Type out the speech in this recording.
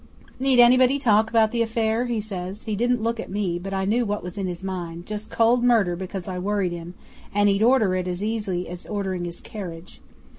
'"Need anybody talk about the affair?" he says. He didn't look at me, but I knew what was in his mind just cold murder because I worried him; and he'd order it as easy as ordering his carriage.